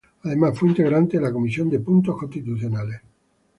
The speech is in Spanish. Además, fue integrante de la Comisión de Puntos Constitucionales.